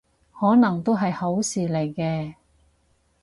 可能都係好事嚟嘅